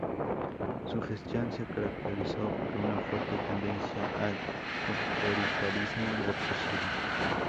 Su gestión se caracterizó por una fuerte tendencia al autoritarismo represivo.